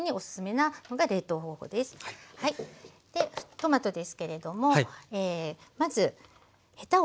トマトですけれどもまずヘタを取ります。